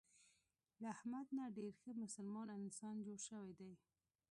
له احمد نه ډېر ښه مسلمان انسان جوړ شوی دی.